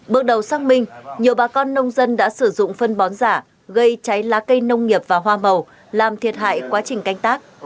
bước đầu xác minh nhiều bà con nông dân đã sử dụng phân bón giả gây cháy lá cây nông nghiệp và hoa màu làm thiệt hại quá trình canh tác